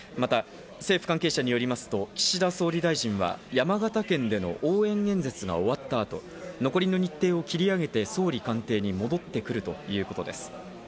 また政府関係者によりますと、岸田総理大臣は山形県での応援演説が終わった後、残りの日程を切り上げて、総理官邸に戻ってくるということです。